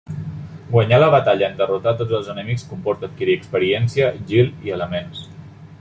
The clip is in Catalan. Guanyar la batalla en derrotar tots els enemics comporta adquirir experiència, gil i elements.